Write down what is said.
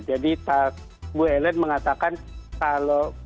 jadi bu ellen mengatakan kalau